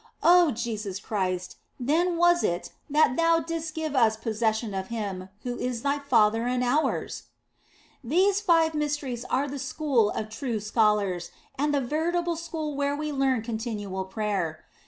Oh Jesus Christ, then was it that Thou didst give us possession of Him who is Thy Father and ours !" These five mysteries are the school of true scholars, and the veritable school where we learn continual prayer.